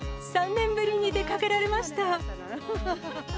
３年ぶりに出かけられました。